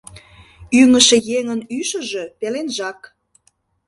Ӱҥышӧ еҥын ӱшыжӧ пеленжак.